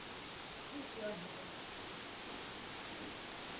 Tam se zástupci strany shodli na podpoře manželství pro všechny.